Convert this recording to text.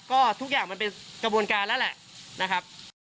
ก็ทุกอย่างมันเป็นกระบวนการแล้วแหละนะครับ